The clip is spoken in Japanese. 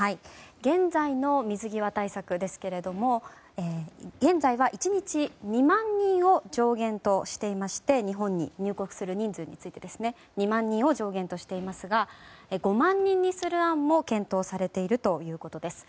現在の水際対策ですが現在は１日２万人を上限としていまして日本に入国する人数について２万人を上限にしていますが５万人にする案も検討されているということです。